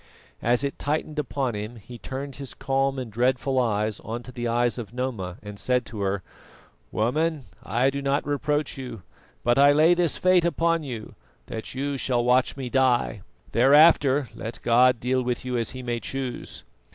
As it tightened upon him, he turned his calm and dreadful eyes on to the eyes of Noma and said to her: "Woman, I do not reproach you; but I lay this fate upon you, that you shall watch me die. Thereafter, let God deal with you as He may choose."